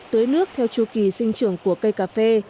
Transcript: tưới nước theo chu kỳ sinh trưởng của cây cà phê